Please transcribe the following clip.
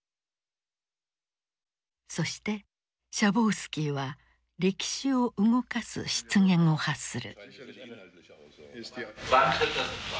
そしてシャボウスキーは歴史を動かす失言を発する。